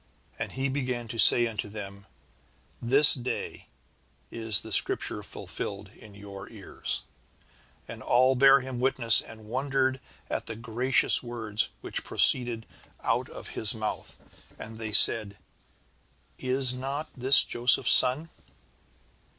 And he began to say unto them: 'This day is this Scripture fulfilled in your ears.' "And all bare him witness, and wondered at the gracious words which proceeded out of his mouth. And they said: 'Is not this Joseph's son?'"